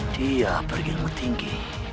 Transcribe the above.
dia berilmu tinggi